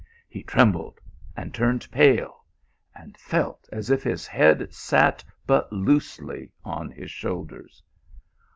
He trembled and turned pale, and felt as if his head sat but loosely on his shoulders.